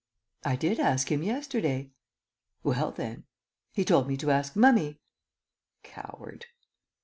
"I did ask him yesterday." "Well, then " "He told me to ask Mummy." Coward!